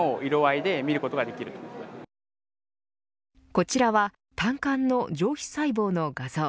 こちらは胆管の上皮細胞の画像